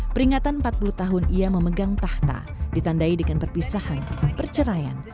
peringatan empat puluh tahun ia memegang tahta ditandai dengan perpisahan perceraian